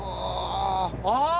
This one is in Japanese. ああ！